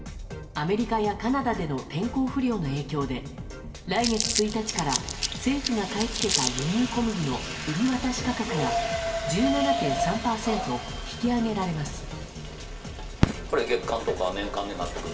アメリカやカナダでの天候不良の影響で来月１日から政府が買い付けた輸入小麦の売り渡し価格が１７．３％引き上げられます。